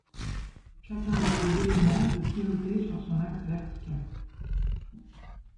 Chacun de ces éléments peut pivoter sur son axe vertical.